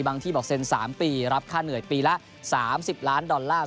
ที่บอกเซ็น๓ปีรับค่าเหนื่อยปีละ๓๐ล้านดอลลาร์